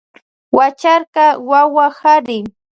Huacharka wawu kari.